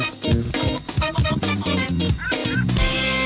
สวัสดีครับ